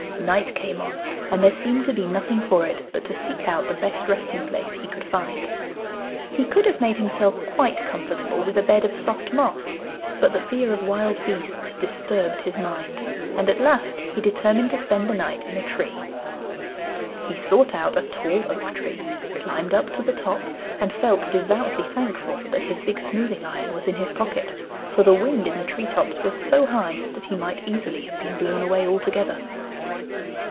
Night came on, and there seemed to be nothing for it but to seek out the best resting place he could find. He could have made himself quite comfortable with a bed of soft moss, but the fear of wild beasts disturbed his mind, and at last he determined to spend the night in a tree. He sought out a tall oak tree, climbed up to the top, and felt devoutly thankful that his big smoothing iron was in his pocket, for the wind in the tree tops was so high that he might easily have been blown away altogether.